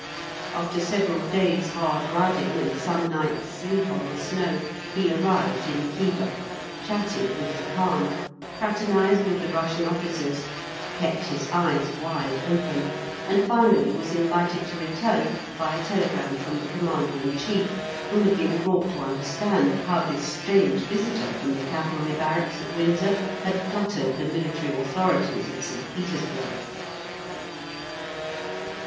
After several days' hard riding and some nights' sleep on the snow, he arrived in Khiva, chatted with the Khan, fraternised with the Russian officers, kept his eyes wide open, and finally was invited to return by a telegram from the Commander in Chief, who had been brought to understand how this strange visitor from the Cavalry Barracks at Windsor had fluttered the military authorities at St. Petersburg.